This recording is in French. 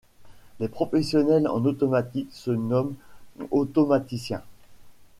Les professionnels en automatique se nomment automaticiens.